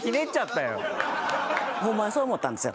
ホンマにそう思ったんですよ。